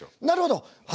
なるほど！